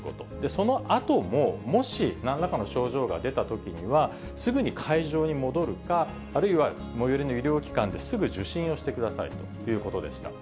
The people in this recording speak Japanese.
そのあとも、もしなんらかの症状が出たときには、すぐに会場に戻るか、あるいは最寄りの医療機関ですぐ受診をしてくださいということでした。